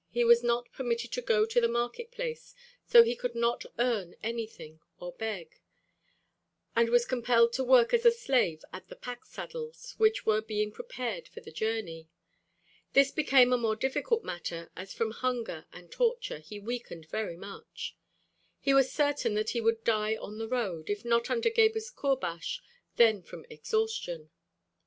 He was not permitted to go to the market place, so he could not earn anything or beg, and was compelled to work as a slave at the pack saddles, which were being prepared for the journey. This became a more difficult matter as from hunger and torture he weakened very much. He was certain that he would die on the road; if not under Gebhr's courbash, then from exhaustion.